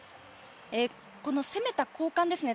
この攻めた交換ですね。